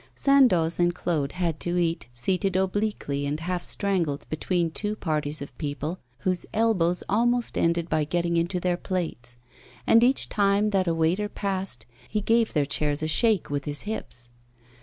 Sandoz and Claude had to eat, seated obliquely and half strangled between two parties of people whose elbows almost ended by getting into their plates; and each time that a waiter passed he gave their chairs a shake with his hips.